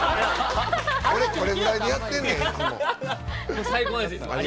俺、これぐらいでやってんねん、いつも。